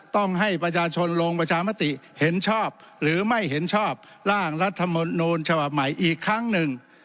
ต้องให้ประชาชนลงประชามติเห็นชอบหรือไม่เห็นชอบร่างรัฐมนูลฉบับใหม่อีกครั้งหนึ่ง